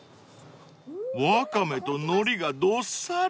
［ワカメとノリがどっさり］